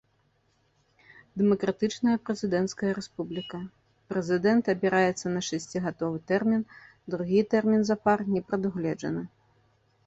Дэмакратычная прэзідэнцкая рэспубліка, прэзідэнт абіраецца на шасцігадовы тэрмін, другі тэрмін запар не прадугледжаны.